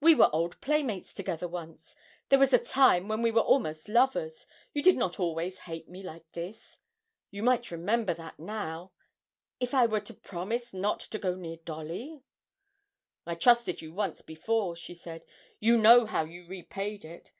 We were old playmates together once, there was a time when we were almost lovers, you did not always hate me like this. You might remember that now. If if I were to promise not to go near Dolly ' 'I trusted you once before,' she said, 'you know how you repaid it.